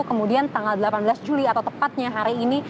kemudian tanggal delapan belas juli atau tepatnya hari ini